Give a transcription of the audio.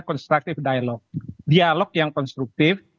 constructive dialog dialog yang konstruktif